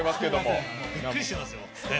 ええ、びっくりしてますよ。